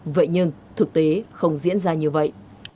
vậy nhưng thực tế không diễn ra như vậy